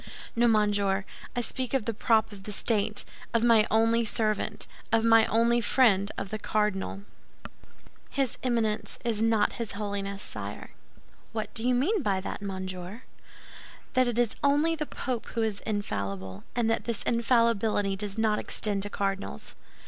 "No, monsieur; I speak of the prop of the state, of my only servant, of my only friend—of the cardinal." "His Eminence is not his holiness, sire." "What do you mean by that, monsieur?" "That it is only the Pope who is infallible, and that this infallibility does not extend to cardinals."